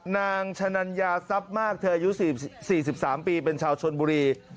นางชะนัญญาทรัพย์มากเธออายุ๔๓ปีเป็นชาวชนบุรี